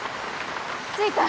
着いた。